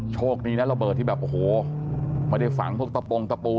โชคดีนะระเบิดที่แบบโอ้โหไม่ได้ฝังพวกตะปงตะปู